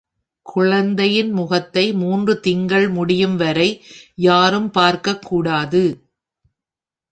குழந்தையின் முகத்தை மூன்று திங்கள்கள் முடியும் வரை யாரும் பார்க்கக் கூடாது.